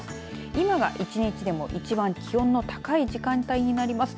今が、１日でも一番気温の高い時間帯になります。